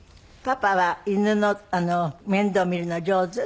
パパは犬の面倒見るの上手？